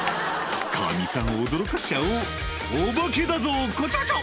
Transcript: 「カミさん驚かしちゃおう」「お化けだぞコチョコチョ」